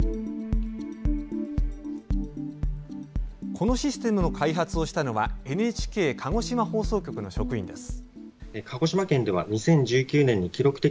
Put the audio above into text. このシステムの開発をしたのはＮＨＫ鹿児島放送局の職員です。